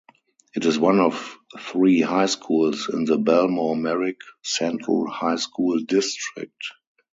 It is one of three high schools in the Bellmore-Merrick Central High School District.